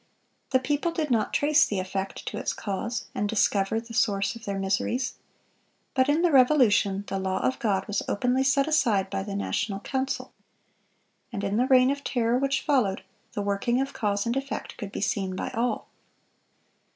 The people did not trace the effect to its cause, and discover the source of their miseries. But in the Revolution, the law of God was openly set aside by the National Council. And in the Reign of Terror which followed, the working of cause and effect could be seen by all.